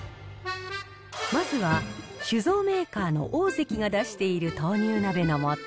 まずは、酒造メーカーの大関が出している豆乳鍋のもと。